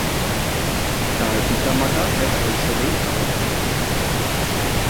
তার পিতামাতা তার শৈশবেই আলাদা হয়ে যান।